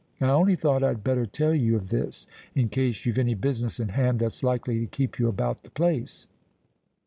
I only thought I'd better tell you of this—in case you've any business in hand that's likely to keep you about the place."